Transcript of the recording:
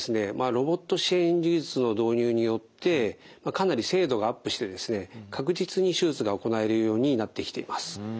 ロボット支援技術の導入によってかなり精度がアップしてですね確実に手術が行えるようになってきています。